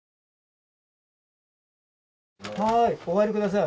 はいお入り下さい。